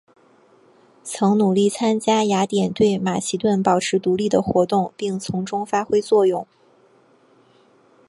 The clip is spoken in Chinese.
曾努力参加雅典对马其顿保持独立的活动并从中发挥作用。